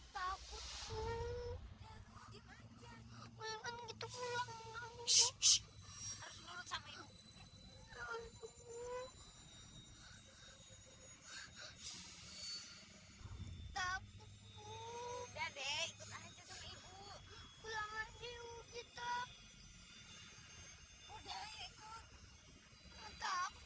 kamu akan lihat nanti seluruh penduduk sini akan belas kasih sama keluarga kita